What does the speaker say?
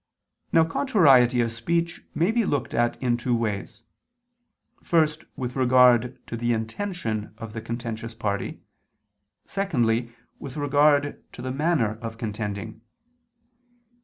Now contrariety of speech may be looked at in two ways: first with regard to the intention of the contentious party, secondly, with regard to the manner of contending.